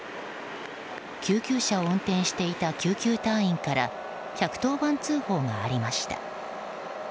救急車を運転していた救急隊員から１１０番通報がありました。